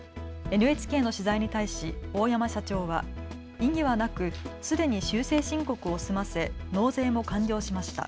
ＮＨＫの取材に対し大山社長は異議はなくすでに修正申告を済ませ納税も完了しました。